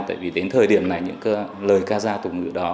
tại vì đến thời điểm này những lời ca giao tục ngữ đó